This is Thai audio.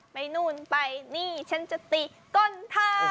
นู่นไปนี่ฉันจะตีก้นทา